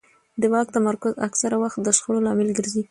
د واک تمرکز اکثره وخت د شخړو لامل ګرځي